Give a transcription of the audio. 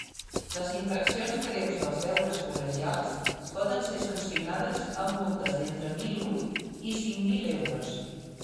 Les infraccions greus dels deures col·legials poden ser sancionades amb multes d'entre mil un i cinc mil euros.